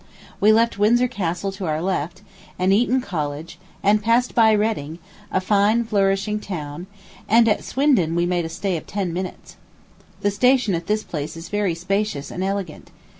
We left Windsor Castle to our left, and Eton College, and passed by Beading, a fine, flourishing town; and at Swindon we made a stay of ten minutes. The station at this place is very spacious and elegant.